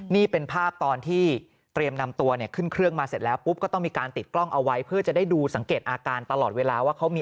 นี่เป็นภาพตอนที่เตรียมนำตัวขึ้นเครื่องมาเสร็จแล้ว